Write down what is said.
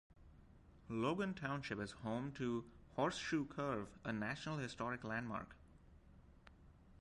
Logan Township is home to Horseshoe Curve, a National Historic Landmark.